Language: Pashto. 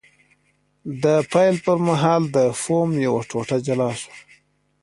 د پیل پر مهال د فوم یوه ټوټه جلا شوه.